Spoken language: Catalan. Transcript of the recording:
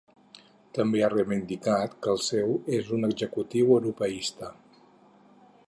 També ha reivindicat que el seu és un executiu europeista.